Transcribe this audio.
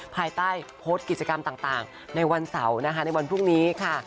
ภายใต้โพสต์กิจกรรมต่างในวันเสาร์นะคะในวันพรุ่งนี้ค่ะ